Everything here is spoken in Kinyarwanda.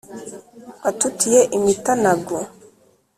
watutiye imitanago ?